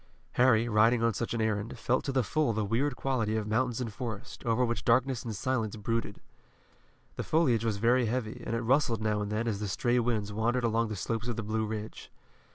Harry, riding on such an errand, felt to the full the weird quality of mountains and forest, over which darkness and silence brooded. The foliage was very heavy, and it rustled now and then as the stray winds wandered along the slopes of the Blue Ridge.